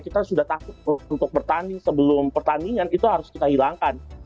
kita sudah takut untuk bertanding sebelum pertandingan itu harus kita hilangkan